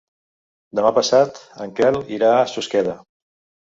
Demà passat en Quel irà a Susqueda.